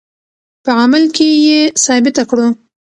په عمل کې یې ثابته کړو.